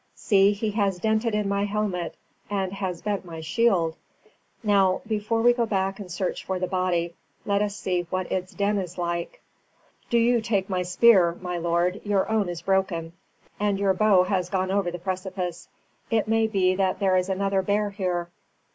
See, he has dented in my helmet and has bent my shield! Now, before we go back and search for the body, let us see what its den is like." "Do you take my spear, my lord; your own is broken, and your bow has gone over the precipice. It may be that there is another bear here.